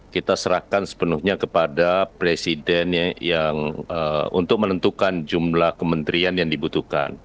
kita serahkan sepenuhnya kepada presiden yang untuk menentukan jumlah kementerian yang dibutuhkan